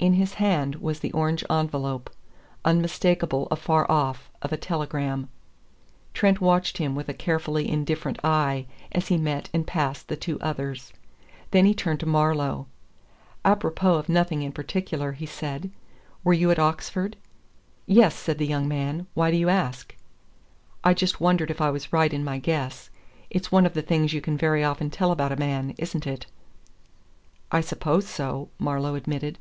In his hand was the orange envelope, unmistakable afar off, of a telegram. Trent watched him with a carefully indifferent eye as he met and passed the two others. Then he turned to Marlowe. "Apropos of nothing in particular," he said, "were you at Oxford?" "Yes," said the young man. "Why do you ask?" "I just wondered if I was right in my guess. It's one of the things you can very often tell about a man, isn't it?" "I suppose so," Marlowe admitted.